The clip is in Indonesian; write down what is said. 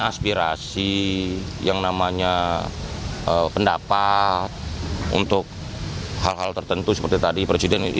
aspirasi yang namanya pendapat untuk hal hal tertentu seperti tadi presiden